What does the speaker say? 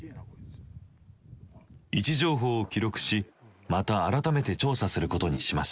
位置情報を記録しまた改めて調査することにしました。